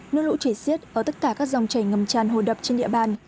nước lũ chảy xiết ở tất cả các dòng chảy ngầm tràn hồ đập trên địa bàn